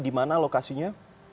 di mana lokasinya